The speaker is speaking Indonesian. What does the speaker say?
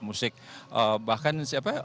musik bahkan siapa ya